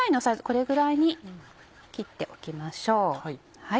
これぐらいに切っておきましょう。